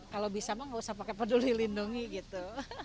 kalau bisa mah gak usah pakai peduli lindungi gitu